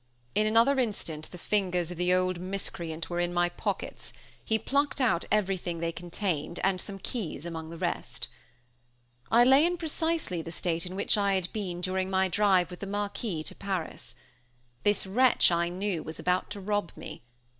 In another instant the fingers of the old miscreant were in my pockets; he plucked out everything they contained, and some keys among the rest. I lay in precisely the state in which I had been during my drive with the Marquis to Paris. This wretch, I knew, was about to rob me.